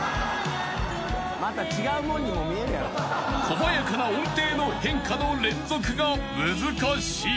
［細やかな音程の変化の連続が難しい］